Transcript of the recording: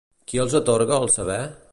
Qui els atorga el saber?